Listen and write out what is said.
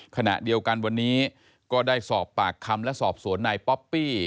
ขณะเดียวกันวันนี้ก็ได้สอบปากคำและสอบสวนนายป๊อปปี้